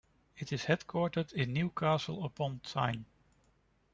It is headquartered in Newcastle upon Tyne.